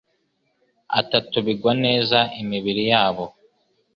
atatu bigwa neza imibiri yabo,